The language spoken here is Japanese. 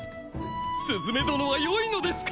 スズメ殿はよいのですか！？